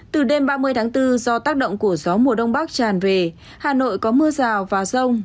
từ đêm ba mươi tháng bốn do tác động của gió mùa đông bắc tràn về hà nội có mưa rào và rông